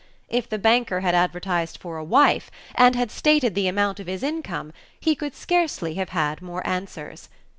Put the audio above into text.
If the banker had advertised for a wife, and had stated the amount of his income, he could scarcely have had more answers.